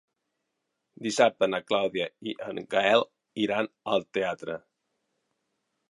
Dissabte na Clàudia i en Gaël iran al teatre.